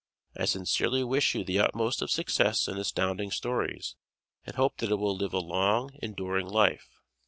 I sincerely wish you the utmost of success in Astounding Stories and hope that it will live a long, enduring life.